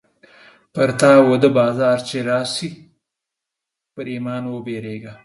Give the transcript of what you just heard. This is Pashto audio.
پر تا وده بازار چې راسې ، پر ايمان وبيرېږه.